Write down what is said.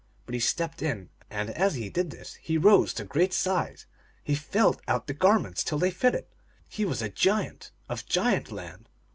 But he stepped in, and as he did this he rose to great size ; he filled out the garments till they fitted ; he was a giant, of Giant Land.